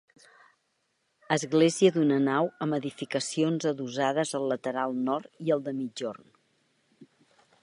Església d'una nau amb edificacions adossades al lateral nord i al de migjorn.